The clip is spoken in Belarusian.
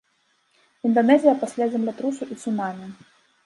Інданэзія пасля землятрусу і цунамі.